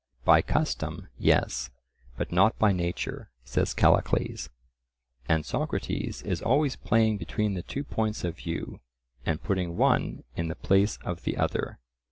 By custom "yes," but not by nature, says Callicles. And Socrates is always playing between the two points of view, and putting one in the place of the other.